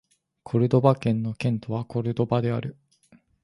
コルドバ県の県都はコルドバである